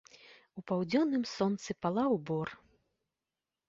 У паўдзённым сонцы палаў бор.